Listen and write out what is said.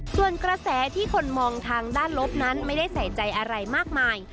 ส่วนกระแสที่คนมองทางด้านลบนั้นไม่ได้ใส่ใจอะไรมากมาย